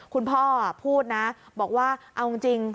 คุณพ่อพูดนะบอกว่าเอาจริง